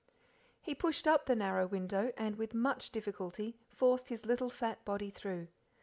He pushed up the narrow window, and with much difficulty forced his little fat body through.